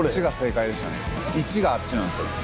１があっちなんですよ